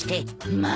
まあ！